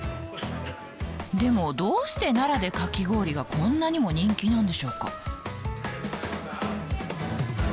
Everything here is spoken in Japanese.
でもどうして奈良でかき氷がこんなにも人気なんでしょうか？